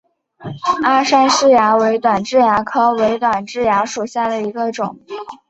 大杉氏蚜为短痣蚜科伪短痣蚜属下的一个种。